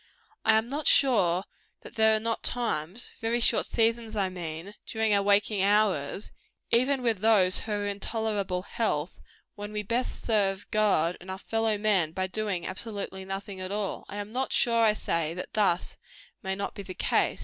I am not sure that there are not times very short seasons, I mean during our waking hours, even with those who are in tolerable health, when we best serve God and our fellow men by doing absolutely nothing at all. I am not sure, I say, that thus may not be the case.